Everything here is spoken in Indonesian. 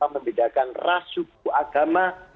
membedakan ras suku agama